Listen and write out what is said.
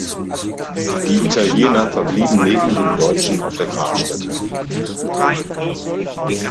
Die Italiener verblieben neben den Deutschen auf der Grabstätte.